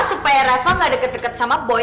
supaya reva nggak deket deket sama boy